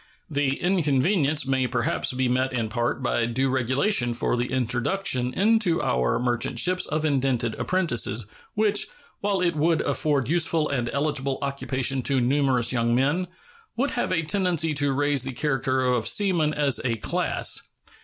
The inconvenience may perhaps be met in part by due regulation for the introduction into our merchant ships of indented apprentices, which, while it would afford useful and eligible occupation to numerous young men, would have a tendency to raise the character of seamen as a class.